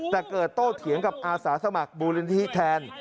แต่เกิดโตเถียงกับอาสาสมัครมูลนิธิแทน